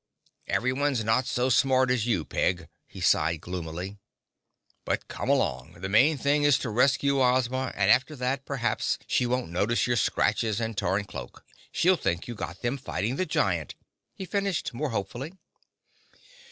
"Everyone's not so smart as you, Peg," he sighed gloomily. "But come along. The main thing is to rescue Ozma and after that perhaps she won't notice your scratches and torn cloak. She'll think you got them fighting the giant," he finished more hopefully.